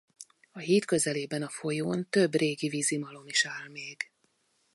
A híd közelében a folyón több régi vízimalom is áll még.